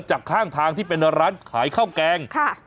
จากข้างทางที่เป็นร้านขายข้าวแกง